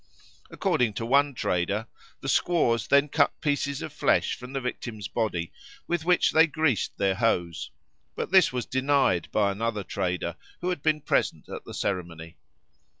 According to one trader, the squaws then cut pieces of flesh from the victim's body, with which they greased their hoes; but this was denied by another trader who had been present at the ceremony.